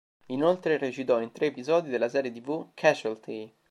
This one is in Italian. Inoltre recitò in tre episodi della serie tv "Casualty".